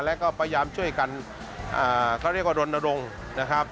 แล้วก็พยายามช่วยกันเขาเรียกว่ารณรงค์นะครับ